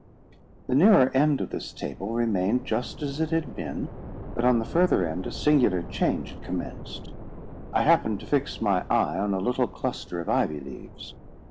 The nearer end of this table remained just as it had been, but on the further end a singular change had commenced. I happened to fix my eye on a little cluster of ivy leaves.